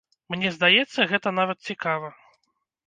Мне здаецца, гэта нават цікава.